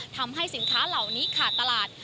ทำให้สินค้าเหล่านี้ขาดตลาด